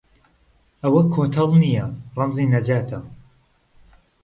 ئەوە کۆتەڵ نییە ڕەمزی نەجاتە